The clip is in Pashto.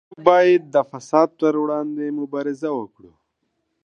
موږ باید د فساد پر وړاندې مبارزه وکړو.